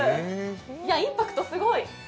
インパクト、すごい。